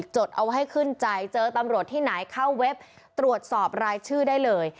จดเอาให้ขึ้นใจเจอตำรวจที่ไหนเข้าเว็บตรวจสอบรายชื่อได้เลย